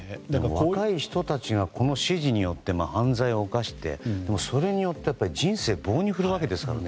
若い人たちがこの指示によって犯罪を犯してそれによって人生を棒に振るわけですからね。